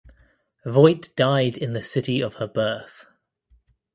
Voigt died in the city of her birth.